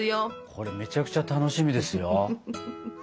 これめちゃくちゃ楽しみですよ。